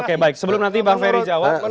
oke baik sebelum nanti pak wery jawab